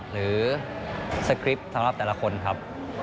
หรือสคริปต์สำหรับแต่ละคนครับ